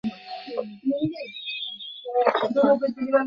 আরেকটু ভালো হতে পারত।